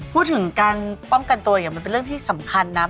พูดถึงการป้องกันตัวอย่างมันเป็นเรื่องที่สำคัญนะ